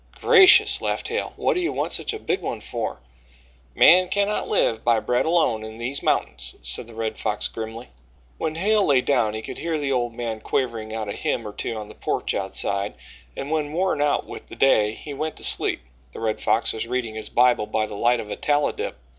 "Gracious," laughed Hale, "what do you want such a big one for?" "Man cannot live by bread alone in these mountains," said the Red Fox grimly. When Hale lay down he could hear the old man quavering out a hymn or two on the porch outside: and when, worn out with the day, he went to sleep, the Red Fox was reading his Bible by the light of a tallow dip.